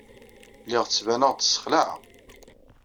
Lliɣ ttbaneɣ-d ssexlaɛeɣ.